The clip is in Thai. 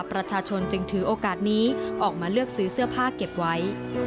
ประชาชนจึงถือโอกาสนี้ออกมาเลือกซื้อเสื้อผ้าเก็บไว้